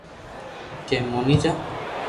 ڪي موني جا